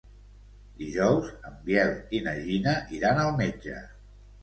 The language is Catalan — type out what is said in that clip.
Dijous en Biel i na Gina iran al metge.